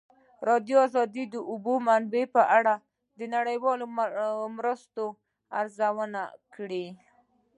ازادي راډیو د د اوبو منابع په اړه د نړیوالو مرستو ارزونه کړې.